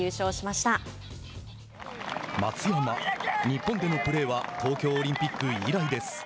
松山、日本でのプレーは東京オリンピック以来です。